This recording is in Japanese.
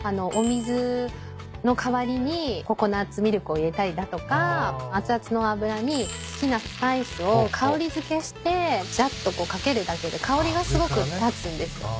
お水の代わりにココナツミルクを入れたりだとか熱々の油に好きなスパイスを香り付けしてジャッと掛けるだけで香りがすごく立つんです。